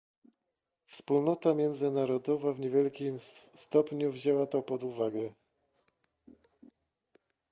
Wspólnota międzynarodowa w niewielkim stopniu wzięła to pod uwagę